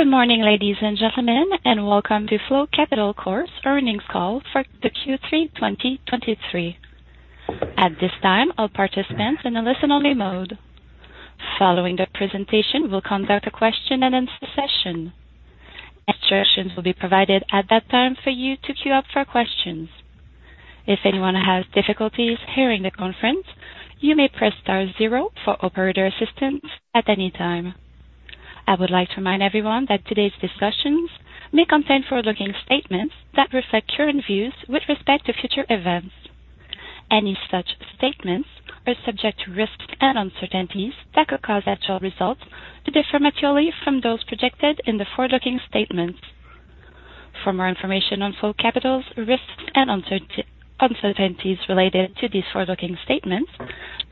Good morning, ladies and gentlemen, and welcome to Flow Capital Corp's Earnings Call for the Q3 2023. At this time, all participants are in a listen-only mode. Following the presentation, we'll conduct a question-and-answer session. Instructions will be provided at that time for you to queue up for questions. If anyone has difficulties hearing the conference, you may press star zero for operator assistance at any time. I would like to remind everyone that today's discussions may contain forward-looking statements that reflect current views with respect to future events. Any such statements are subject to risks and uncertainties that could cause actual results to differ materially from those projected in the forward-looking statements. For more information on Flow Capital's risks and uncertainties related to these forward-looking statements,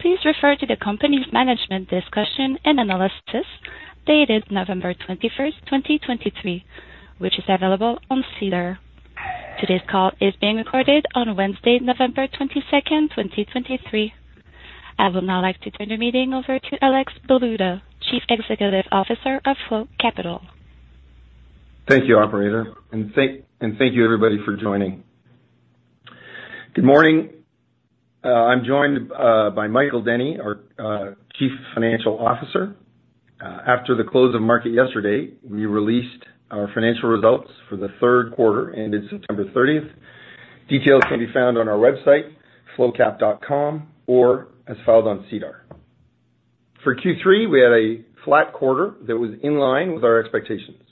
please refer to the company's management discussion and analysis dated November 21st, 2023, which is available on SEDAR. Today's call is being recorded on Wednesday, November 22nd, 2023. I would now like to turn the meeting over to Alex Baluta, Chief Executive Officer of Flow Capital. Thank you, operator, and thank you, everybody, for joining. Good morning. I'm joined by Michael Denny, our Chief Financial Officer. After the close of market yesterday, we released our financial results for the third quarter, ended September 30th. Details can be found on our website, flowcap.com, or as filed on SEDAR. For Q3, we had a flat quarter that was in line with our expectations.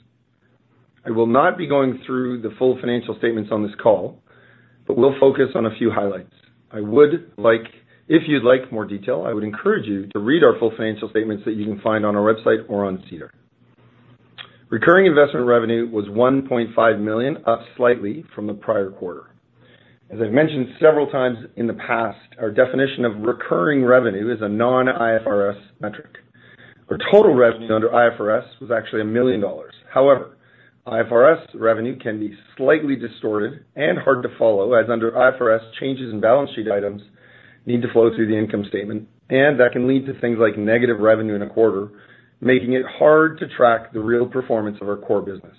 I will not be going through the full financial statements on this call, but we'll focus on a few highlights. If you'd like more detail, I would encourage you to read our full financial statements that you can find on our website or on SEDAR. Recurring investment revenue was 1.5 million, up slightly from the prior quarter. As I've mentioned several times in the past, our definition of recurring revenue is a non-IFRS metric. Our total revenue under IFRS was actually 1 million dollars. However, IFRS revenue can be slightly distorted and hard to follow, as under IFRS, changes in balance sheet items need to flow through the income statement, and that can lead to things like negative revenue in a quarter, making it hard to track the real performance of our core business.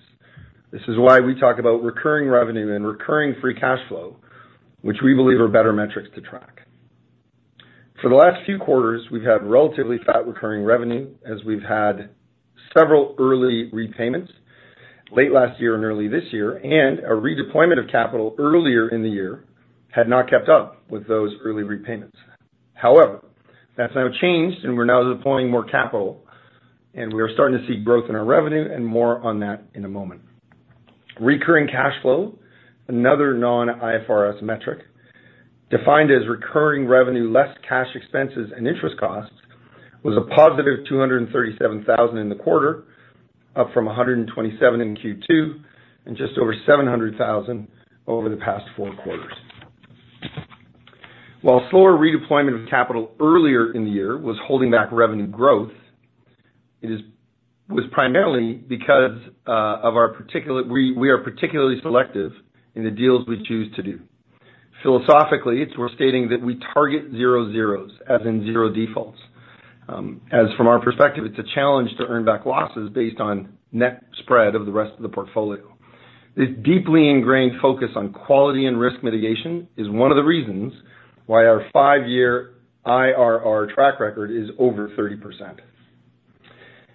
This is why we talk about recurring revenue and recurring free cash flow, which we believe are better metrics to track. For the last few quarters, we've had relatively flat recurring revenue, as we've had several early repayments late last year and early this year, and our redeployment of capital earlier in the year had not kept up with those early repayments. However, that's now changed, and we're now deploying more capital, and we are starting to see growth in our revenue and more on that in a moment. Recurring cash flow, another non-IFRS metric, defined as recurring revenue, less cash expenses and interest costs, was 237,000 in the quarter, up from 127,000 in Q2 and just over 700,000 over the past four quarters. While slower redeployment of capital earlier in the year was holding back revenue growth, it was primarily because of our particular focus. We are particularly selective in the deals we choose to do. Philosophically, it's worth stating that we target zero zeros, as in zero defaults, as from our perspective, it's a challenge to earn back losses based on net spread of the rest of the portfolio. This deeply ingrained focus on quality and risk mitigation is one of the reasons why our five-year IRR track record is over 30%.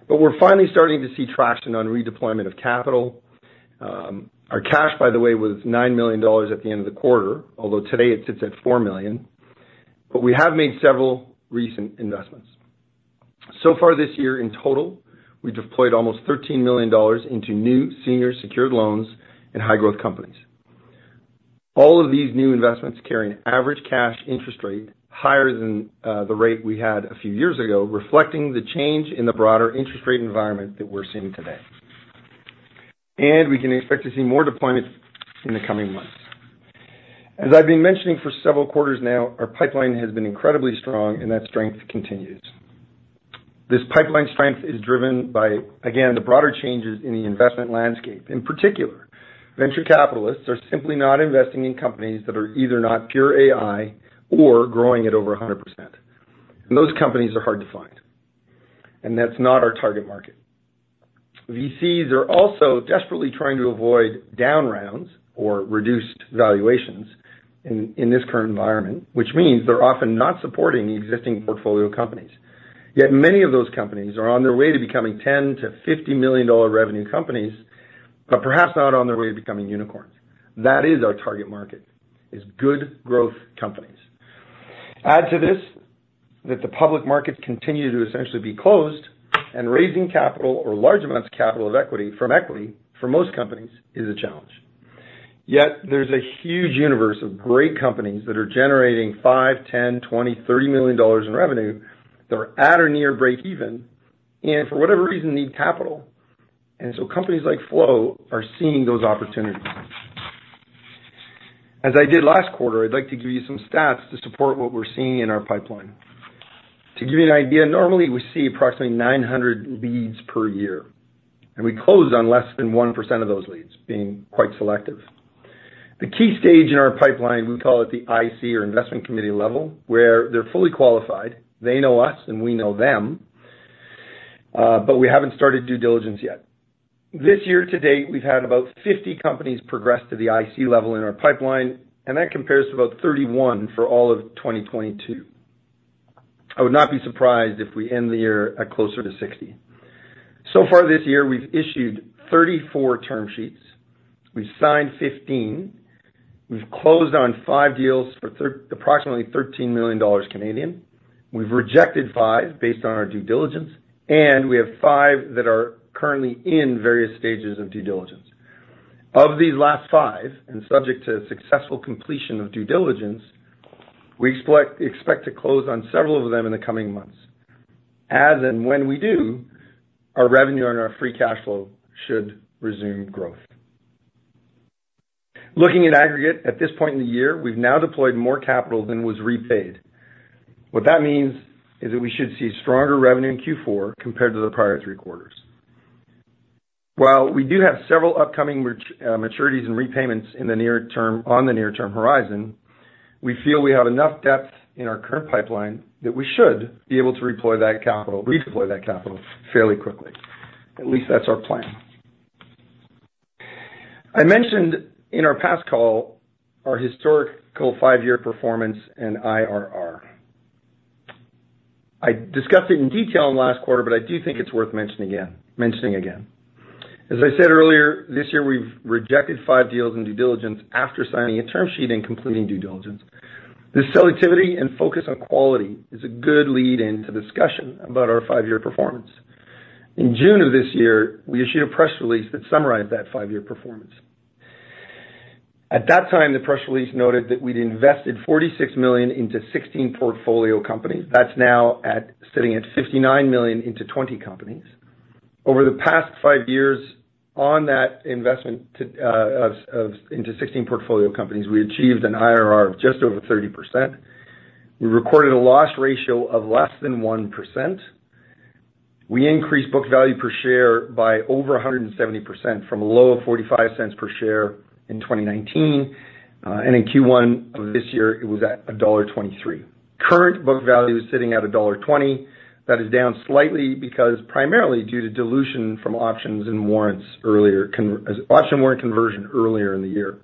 But we're finally starting to see traction on redeployment of capital. Our cash, by the way, was 9 million dollars at the end of the quarter, although today it sits at 4 million. We have made several recent investments. So far this year in total, we deployed almost 13 million dollars into new senior secured loans in high-growth companies. All of these new investments carry an average cash interest rate higher than the rate we had a few years ago, reflecting the change in the broader interest rate environment that we're seeing today. And we can expect to see more deployments in the coming months. As I've been mentioning for several quarters now, our pipeline has been incredibly strong, and that strength continues. This pipeline strength is driven by, again, the broader changes in the investment landscape. In particular, venture capitalists are simply not investing in companies that are either not pure AI or growing at over 100%. And those companies are hard to find, and that's not our target market. VCs are also desperately trying to avoid down rounds or reduced valuations in this current environment, which means they're often not supporting the existing portfolio companies. Yet many of those companies are on their way to becoming $10 million-$50 million revenue companies, but perhaps not on their way to becoming unicorns. That is our target market, is good growth companies. Add to this, that the public markets continue to essentially be closed, and raising capital or large amounts of capital of equity, from equity, for most companies is a challenge. Yet there's a huge universe of great companies that are generating $5 million, $10 million, $20 million, $30 million in revenue that are at or near breakeven and, for whatever reason, need capital. And so companies like Flow are seeing those opportunities. As I did last quarter, I'd like to give you some stats to support what we're seeing in our pipeline. To give you an idea, normally we see approximately 900 leads per year, and we close on less than 1% of those leads, being quite selective. The key stage in our pipeline, we call it the IC or investment committee level, where they're fully qualified. They know us, and we know them, but we haven't started due diligence yet. This year, to date, we've had about 50 companies progress to the IC level in our pipeline, and that compares to about 31 for all of 2022. I would not be surprised if we end the year at closer to 60. So far this year, we've issued 34 term sheets, we've signed 15, we've closed on 5 deals for approximately 13 million Canadian dollars. We've rejected five based on our due diligence, and we have five that are currently in various stages of due diligence. Of these last five, and subject to successful completion of due diligence, we expect to close on several of them in the coming months. As and when we do, our revenue and our free cash flow should resume growth. Looking at aggregate, at this point in the year, we've now deployed more capital than was repaid. What that means is that we should see stronger revenue in Q4 compared to the prior three quarters. While we do have several upcoming maturities and repayments in the near term on the near-term horizon, we feel we have enough depth in our current pipeline that we should be able to deploy that capital, redeploy that capital fairly quickly. At least that's our plan. I mentioned in our past call our historical five-year performance and IRR. I discussed it in detail last quarter, but I do think it's worth mentioning again, mentioning again. As I said earlier, this year, we've rejected five deals in due diligence after signing a term sheet and completing due diligence. This selectivity and focus on quality is a good lead-in to discussion about our five-year performance. In June of this year, we issued a press release that summarized that five-year performance. At that time, the press release noted that we'd invested 46 million into 16 portfolio companies. That's now sitting at 59 million into 20 companies. Over the past five years, on that investment of into 16 portfolio companies, we achieved an IRR of just over 30%. We recorded a loss ratio of less than 1%. We increased book value per share by over 170% from a low of 0.45 per share in 2019, and in Q1 of this year, it was at dollar 1.23. Current book value is sitting at dollar 1.20. That is down slightly because primarily due to dilution from options and warrants earlier as option warrant conversion earlier in the year.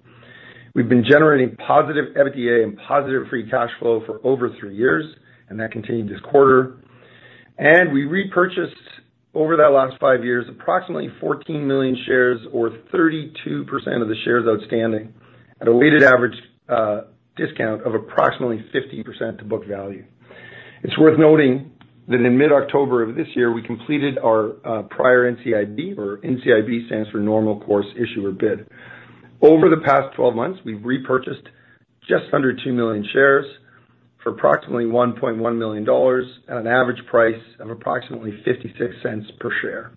We've been generating positive EBITDA and positive free cash flow for over three years, and that continued this quarter. We repurchased, over that last five years, approximately 14 million shares or 32% of the shares outstanding at a weighted average discount of approximately 50% to book value. It's worth noting that in mid-October of this year, we completed our prior NCIB, or NCIB stands for Normal Course Issuer Bid. Over the past 12 months, we've repurchased just under 2 million shares for approximately 1.1 million dollars at an average price of approximately 0.56 per share.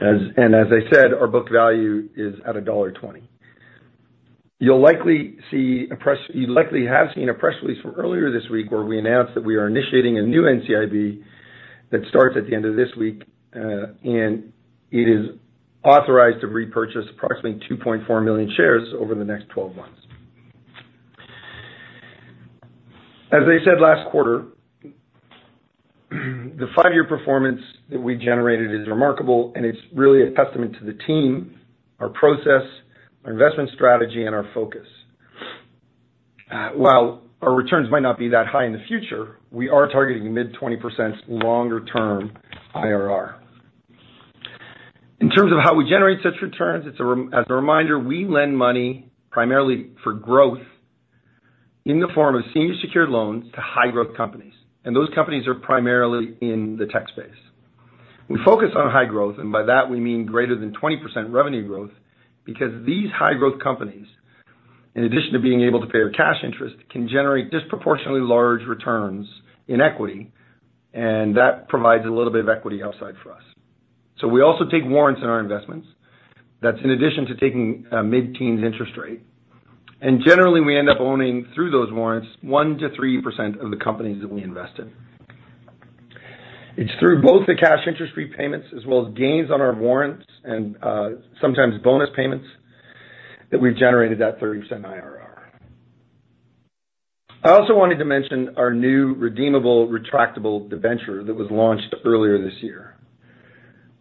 And as I said, our book value is at CAD 1.20. You likely have seen a press release from earlier this week, where we announced that we are initiating a new NCIB that starts at the end of this week, and it is authorized to repurchase approximately 2.4 million shares over the next 12 months. As I said last quarter, the five-year performance that we generated is remarkable, and it's really a testament to the team, our process, our investment strategy, and our focus. While our returns might not be that high in the future, we are targeting mid-20% longer-term IRR. In terms of how we generate such returns, it's as a reminder, we lend money primarily for growth in the form of senior secured loans to high growth companies, and those companies are primarily in the tech space. We focus on high growth, and by that we mean greater than 20% revenue growth, because these high growth companies, in addition to being able to pay our cash interest, can generate disproportionately large returns in equity, and that provides a little bit of equity outside for us. So we also take warrants in our investments. That's in addition to taking a mid-teens interest rate. And generally, we end up owning, through those warrants, 1%-3% of the companies that we invest in. It's through both the cash interest repayments as well as gains on our warrants and sometimes bonus payments, that we've generated that 30% IRR. I also wanted to mention our new redeemable, retractable debenture that was launched earlier this year.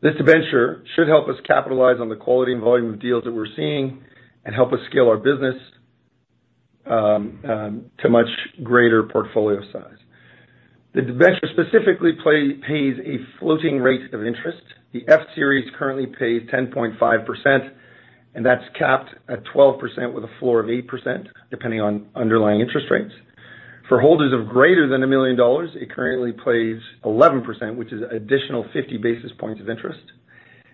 This debenture should help us capitalize on the quality and volume of deals that we're seeing and help us scale our business to much greater portfolio size. The debenture specifically pays a floating rate of interest. The F Series currently pays 10.5%, and that's capped at 12% with a floor of 8%, depending on underlying interest rates. For holders of greater than 1 million dollars, it currently pays 11%, which is additional 50 basis points of interest.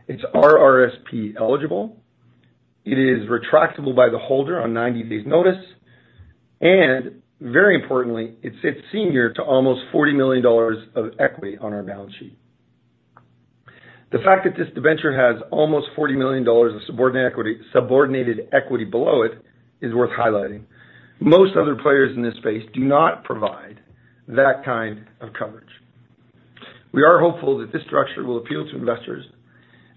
It's RRSP eligible. It is retractable by the holder on 90 days' notice, and very importantly, it sits senior to almost 40 million dollars of equity on our balance sheet. The fact that this debenture has almost 40 million dollars of subordinate equity, subordinated equity below it is worth highlighting. Most other players in this space do not provide that kind of coverage. We are hopeful that this structure will appeal to investors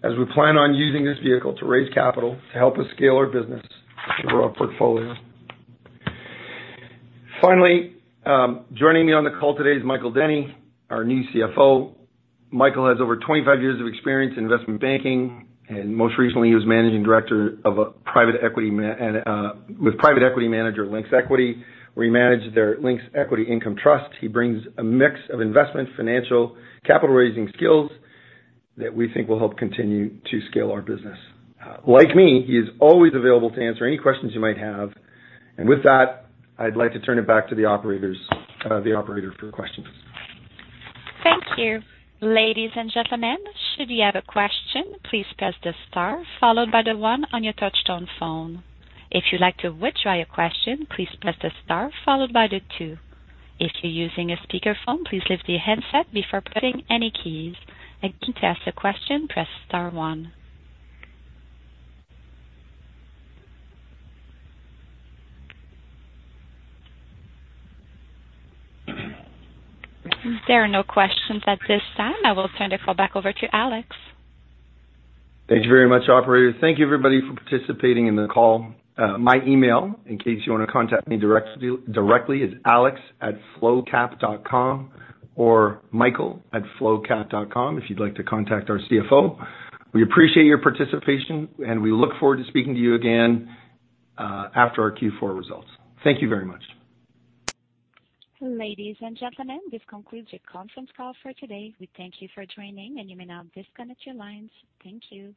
as we plan on using this vehicle to raise capital to help us scale our business to grow our portfolio. Finally, joining me on the call today is Michael Denny, our new CFO. Michael has over 25 years of experience in investment banking, and most recently, he was managing director of a private equity manager, Lynx Equity, where he managed their Lynx Equity Income Trust. He brings a mix of investment, financial, capital raising skills that we think will help continue to scale our business. Like me, he is always available to answer any questions you might have. And with that, I'd like to turn it back to the operators, the operator for questions. Thank you. Ladies and gentlemen, should you have a question, please press the star followed by the one on your touch-tone phone. If you'd like to withdraw your question, please press the star followed by the two. If you're using a speakerphone, please lift the headset before pressing any keys. To ask a question, press star one. There are no questions at this time. I will turn the call back over to Alex. Thank you very much, operator. Thank you, everybody, for participating in the call. My email, in case you want to contact me directly, is alex@flowcap.com or michael@flowcap.com, if you'd like to contact our CFO. We appreciate your participation, and we look forward to speaking to you again, after our Q4 results. Thank you very much. Ladies and gentlemen, this concludes your conference call for today. We thank you for joining, and you may now disconnect your lines. Thank you.